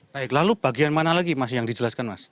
baik lalu bagian mana lagi mas yang dijelaskan mas